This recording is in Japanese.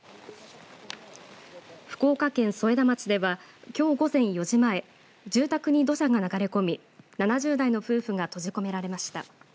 福岡県添田町ではきょう午前４時前、住宅に土砂が流れ込み７０代の夫婦が閉じ込められました。